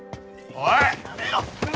おい！